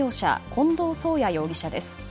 近藤壮家容疑者です。